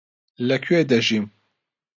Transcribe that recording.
لەکوێ دەژیم؟